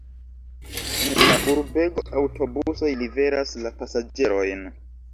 En la urbego aŭtobusoj liveras la pasaĝerojn.